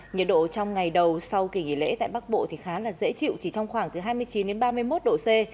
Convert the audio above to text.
nhiệt độ trong ngày đầu sau kỳ nghỉ lễ tại bắc bộ thì khá là dễ chịu chỉ trong khoảng từ hai mươi chín đến ba mươi một độ c